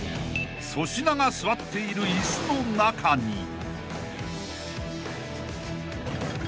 ［粗品が座っている椅子の中に］